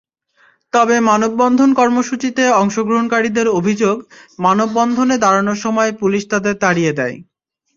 তবে মানববন্ধন কর্মসূচিতে অংশগ্রহণকারীদের অভিযোগ, মানববন্ধনে দাঁড়ানোর সময় পুলিশ তাঁদের তাড়িয়ে দেয়।